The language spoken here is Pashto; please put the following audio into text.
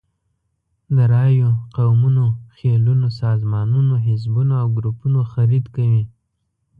د رایو، قومونو، خېلونو، سازمانونو، حزبونو او ګروپونو خرید کوي.